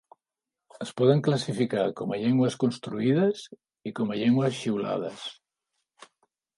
Es poden classificar com a llengües construïdes i com a llengües xiulades.